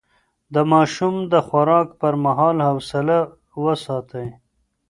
د ماشوم د خوراک پر مهال حوصله وساتئ.